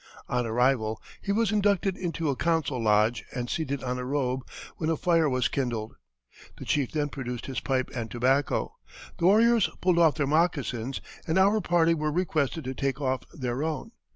On arrival he was inducted into a council lodge and seated on a robe, when a fire was kindled. "The chief then produced his pipe and tobacco, the warriors pulled off their moccasins, and our party were requested to take off their own.